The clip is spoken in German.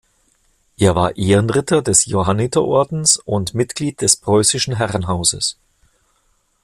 Er war Ehrenritter des Johanniterordens und Mitglied des Preußischen Herrenhauses.